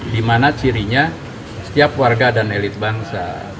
dimana cirinya setiap warga dan elit bangsa